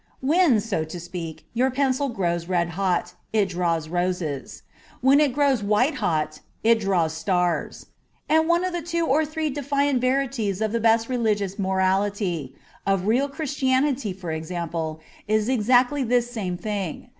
When (so to speak) your pencil grows red hot, it draws roses ; when it grows white hot, it draws stars. And one of the two or three defiant verities of the best religious morality — of real Christianity, for example — is exactly this same thing.